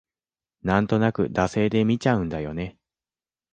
なんとなく惰性で見ちゃうんだよね